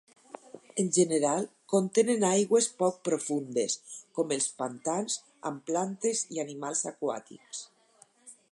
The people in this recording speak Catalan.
En general, contenen aigües poc profundes com els pantans amb plantes i animals aquàtics.